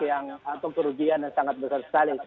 atau kerugian yang sangat besar sekali